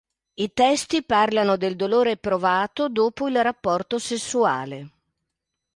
I testi parlano del dolore provato dopo il rapporto sessuale.